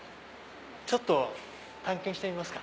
ちょっと探検してみますか。